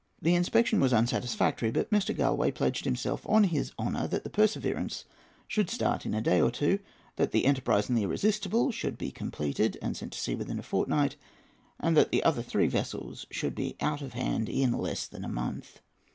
The inspection was unsatisfactory; but Mr. Galloway pledged himself on his honour that the Perseverance should start in a day or two, that the Enterprise and the Irresistible should be completed and sent to sea within a fortnight, and that the other three vessels should be out of hand in less than a month.